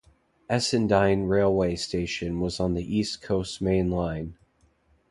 Essendine railway station was on the East Coast Main Line.